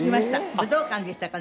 武道館でしたかね？